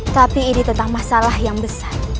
tapi ini tentang masalah yang besar